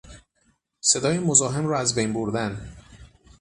صدای مزاحم را از بین بردن